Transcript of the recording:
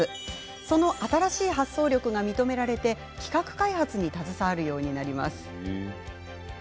その新しい発想力が認められて企画開発に携わるようになります。